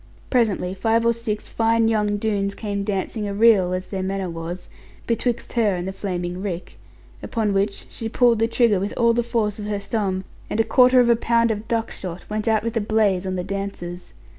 Presently five or six fine young Doones came dancing a reel (as their manner was) betwixt her and the flaming rick. Upon which she pulled the trigger with all the force of her thumb, and a quarter of a pound of duck shot went out with a blaze on the dancers.